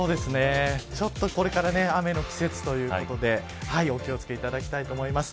ちょっとこれから雨の季節ということで、お気を付けいただきたいと思います。